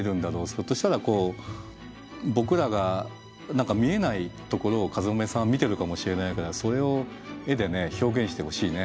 ひょっとしたらこう僕らが見えないところをかずまめさんは見てるかもしれないからそれを絵で表現してほしいね。